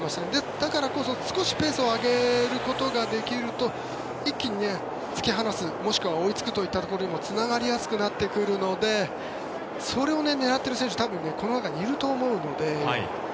だからこそ、少しペースを上げることができると一気に突き放すもしくは追いつくというところにつながりやすくなってくるのでそれを狙っている選手多分、この中にいると思うので。